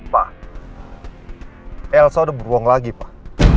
pak elsa udah beruang lagi pak